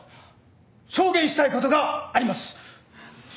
証言したいことがあります！